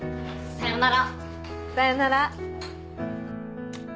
さようなら。